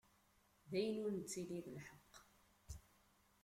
D ayen ur nettili d lḥeqq.